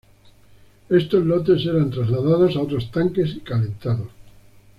Estos lotes eran trasladados a otros tanques y calentados.